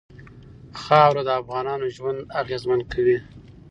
خاوره د افغانانو ژوند اغېزمن کوي.